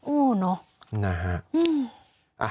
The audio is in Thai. อื้อเนอะ